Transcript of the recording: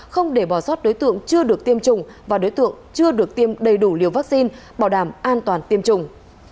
không để bỏ sót đối tượng chưa được tiêm chủng và đối tượng chưa được tiêm đầy đủ liều vaccine bảo đảm an toàn tiêm chủng